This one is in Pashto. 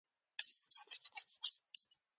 ملنګ چې کله د کاغذ ټوټه را پورته کړه.